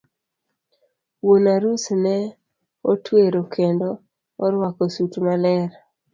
Wuon arus ne otwero kendo orwako sut maler.